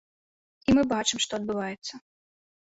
І мы бачым, што адбываецца.